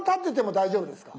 大丈夫です。